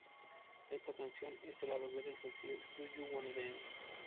Esta canción es el lado B del sencillo "Do You Wanna Dance?